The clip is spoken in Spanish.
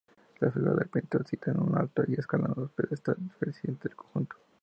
La figura del pintor, sita en un alto y escalonado pedestal, preside el conjunto.